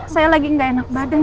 saya lagi gak enak badan